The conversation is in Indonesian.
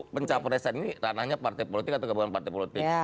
pencapresan ini ranahnya partai politik atau gabungan partai politik